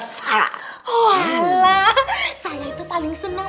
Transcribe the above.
tapi dia selalu enak